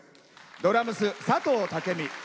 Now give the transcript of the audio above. ドラムス、佐藤武美。